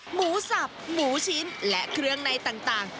หมูสับหมูชิ้นและเครื่องในต่าง